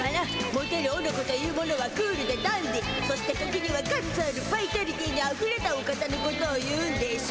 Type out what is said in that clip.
モテるオノコというものはクールでダンディーそして時にはガッツあるバイタリティーにあふれたお方のことを言うんでしゅ。